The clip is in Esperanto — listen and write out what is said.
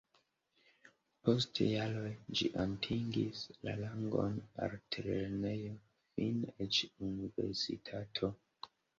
Post jaroj ĝi atingis la rangon altlernejo, fine eĉ universitato.